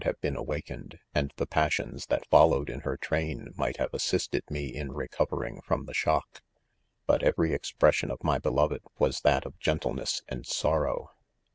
have been awakened, and the passions that follow in her train might have, assisted me in, recovering from the shock. But every expression of. my Beloved was that of gentleness and sorrow.